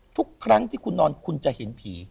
ทุกครั้งที่คุณนอนคุณจะเห็นผี